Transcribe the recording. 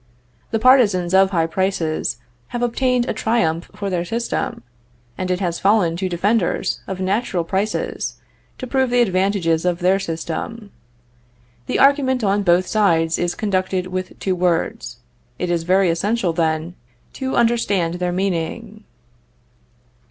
The partisans of high prices have obtained a triumph for their system, and it has fallen to defenders of natural prices to prove the advantages of their system. The argument on both sides is conducted with two words. It is very essential, then, to understand their meaning.